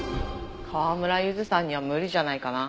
川村ゆずさんには無理じゃないかな。